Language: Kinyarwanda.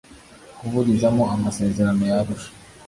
kuburizamo Amasezerano y Arusha